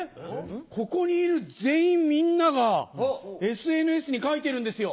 ここにいる全員みんながＳＮＳに書いてるんですよ。